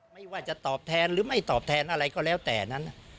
ไม่ว่าจะตอบแทนหรือไม่ตอบแทนอะไรก็แล้วแต่นั้น